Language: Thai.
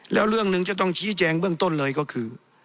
แล้วเรื่องหนึ่งจะต้องชี้แจงเบื้องต้นเลยก็คือ